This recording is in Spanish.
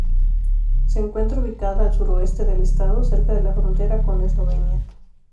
Se encuentra ubicada al sureste del estado, cerca de la frontera con Eslovenia.